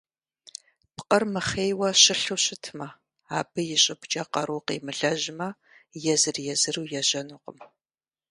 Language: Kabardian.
Пкъыр мыхъейуэ щылъу щытмэ, абы и щӏыбкӏэ къару къемылэжьмэ, езыр-езыру ежьэнукъым.